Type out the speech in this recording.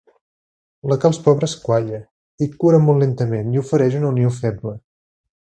La calç pobra es qualla i cura molt lentament i ofereix una unió feble.